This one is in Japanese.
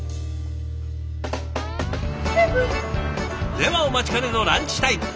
ではお待ちかねのランチタイム。